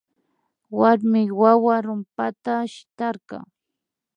Warmi wawa rumpata shitarka